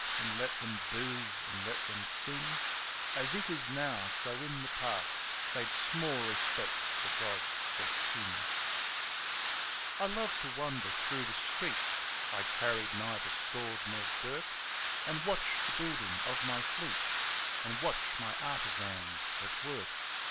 And let them booze and let them sing ; As it is now, so in the past. They'd small respect for gods or king. WHEN I WAS KING I loved to wander through the streets — I carried neither sword nor dirk— And watch the building of my fleets, And watch my artisans at work.